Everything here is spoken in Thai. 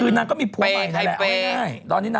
เอ๋อ้อนนี่น่ะ